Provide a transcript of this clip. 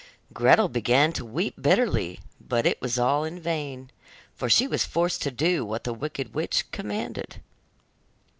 Gretel began to weep bitterly, but it was all in vain, for she was forced to do what the wicked witch commanded.